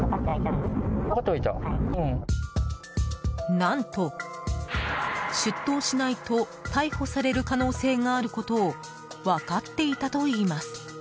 何と、出頭しないと逮捕される可能性があることを分かっていたと言います。